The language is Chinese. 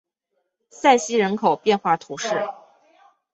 塞西人口变化图示